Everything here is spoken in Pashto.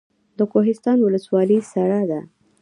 د کوهستان ولسوالۍ سړه ده